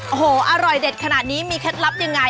โอ้โหอร่อยเด็ดขนาดนี้มีเคล็ดลับยังไง